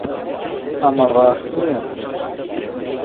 ئەمە ڕاست نییە.